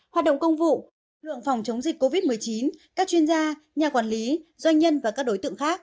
hoạt động công vụ lực lượng phòng chống dịch covid một mươi chín các chuyên gia nhà quản lý doanh nhân và các đối tượng khác